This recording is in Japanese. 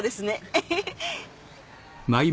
エヘヘ。